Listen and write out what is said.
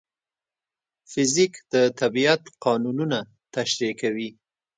فزیک د طبیعت قانونونه تشریح کوي.